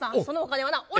そのお金はな